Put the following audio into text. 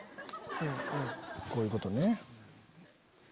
こういうことね。